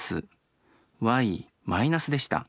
「ｙ−」でした。